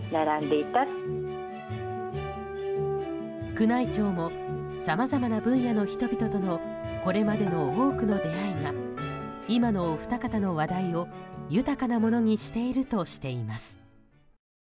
宮内庁もさまざまな分野の人々とのこれまでの多くの出会いが今のお二方の話題を豊かなものにしているとしています。